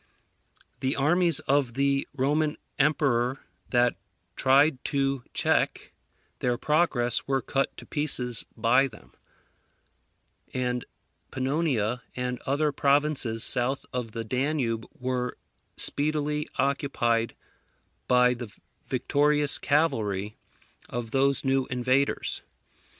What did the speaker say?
The armies of the Roman emperor that tried to check their progress were cut to pieces by them; and Panonia and other provinces south of the Danube were speedily occupied by the victorious cavalry of these new invaders.